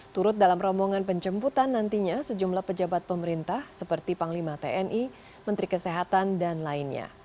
turut dalam rombongan penjemputan nantinya sejumlah pejabat pemerintah seperti panglima tni menteri kesehatan dan lainnya